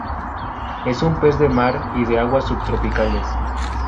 Es un pez de mar y de aguas subtropicales.